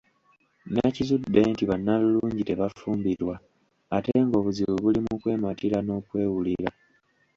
Nakizudde nti bannalulungi tebafumbirwa ate ng’obuzibu buli mu kwematira n’akwewulira.